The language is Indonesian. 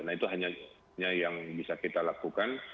nah itu hanya yang bisa kita lakukan